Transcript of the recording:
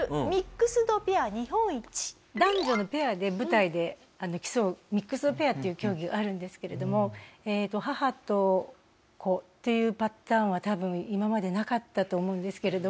男女のペアで舞台で競うミックスドペアっていう競技があるんですけれども母と子っていうパターンは多分今までなかったと思うんですけれども。